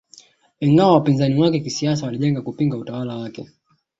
Ingawa wapinzani wake kisiasa walijenga kupinga utawala wake